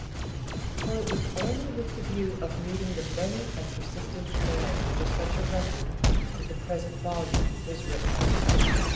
For it was only with the view of meeting the many and persistent demands for such a record that the present volume was written.